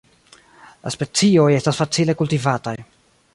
La specioj estas facile kultivataj.